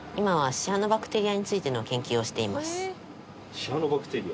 シアノバクテリア？